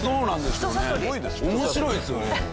面白いですよね。